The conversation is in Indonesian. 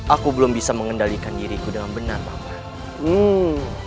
aku belum bisa mengendalikan diriku dengan benar bapak